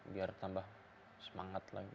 biar tambah semangat lagi